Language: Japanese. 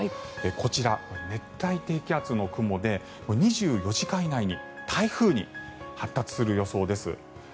こちら、熱帯低気圧の雲で２４時間以内に台風に発達する予想です。